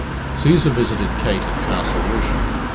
Cæsar visited Kate at Castle Rushen.